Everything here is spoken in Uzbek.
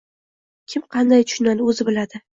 Kim qanday tushunadi — o‘zi biladi.